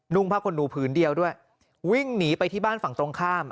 ผ้าคนหนูผืนเดียวด้วยวิ่งหนีไปที่บ้านฝั่งตรงข้าม